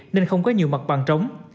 nên không có nhiều mặt bằng trống